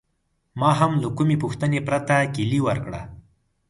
ما هم له کومې پوښتنې پرته کیلي ورکړه.